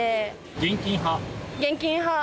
現金派？